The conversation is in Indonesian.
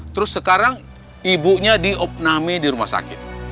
terus sekarang ibunya diopname di rumah sakit